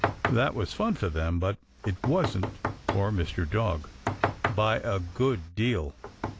That was fun for them, but it wasn't for Mr. Dog, by a good deal.